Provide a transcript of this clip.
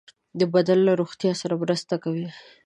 د بدن له روغتیا سره مرسته کوي.